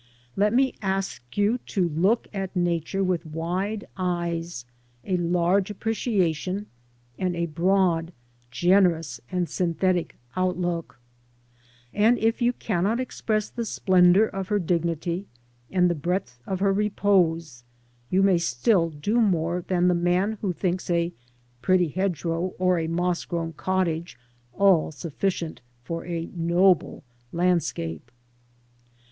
Let me ask you to look at Nature with wide eyes, a large appreciation, and a broad, generous, and synthetic outlook ; and if you cannot express the splendour of her dignity and the breadth of her repose, you may still do more than the man who thinks a pretty hedgerow or a moss grown cottage all sufficient for a noble landscape.